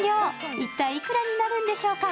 一体いくらになるんでしょうか。